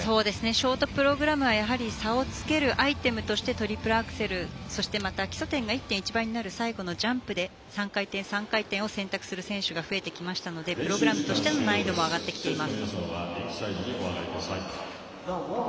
ショートプログラムはやはり差をつけるアイテムとしてトリプルアクセルまた、基礎点が１．１倍になる最後のジャンプで３回転、３回転を選択する選手が増えてきましたのでプログラムとしての難易度も上がってきています。